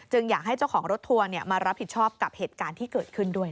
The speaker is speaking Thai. อยากให้เจ้าของรถทัวร์มารับผิดชอบกับเหตุการณ์ที่เกิดขึ้นด้วย